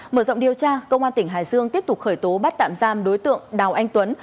mở rộng điều tra công an tỉnh hải dương tiếp tục khởi tố bắt tạm giam đối tượng đào anh tuấn